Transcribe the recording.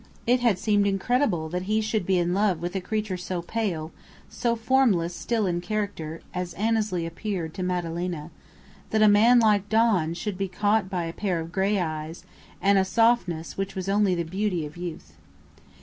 It had seemed incredible that he should be in love with a creature so pale, so formless still in character (as Annesley appeared to Madalena); that a man like "Don" should be caught by a pair of gray eyes and a softness which was only the beauty of youth.